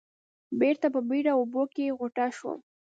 بېرته په بېړه اوبو کې غوټه شوم.